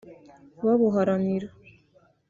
babuharanira